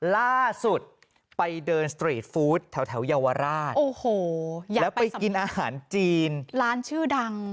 ล่าสุดไปเดินสตรีทฟู้ดแถวเยาวราชโอ้โหแล้วไปกินอาหารจีนร้านชื่อดัง